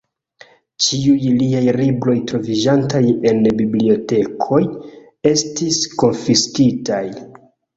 Ĉiuj liaj libroj troviĝantaj en bibliotekoj estis konfiskitaj.